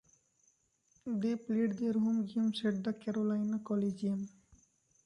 They played their home games at the Carolina Coliseum.